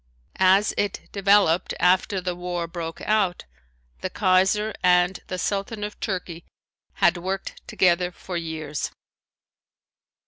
As it developed after the war broke out, the Kaiser and the Sultan of Turkey had worked together for years.